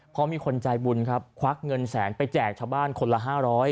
เพราะมีคนใจบุญครับควักเงินแสนไปแจกชาวบ้านคนละ๕๐๐